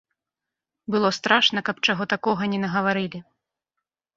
Было страшна, каб чаго такога не нагаварылі.